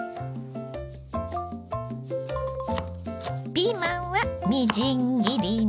ピーマンはみじん切りに。